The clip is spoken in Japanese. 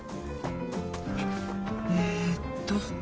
えーっと。